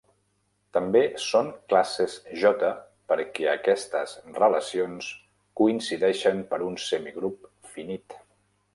També són classes "J", perquè aquestes relacions coincideixen per un semigrup finit.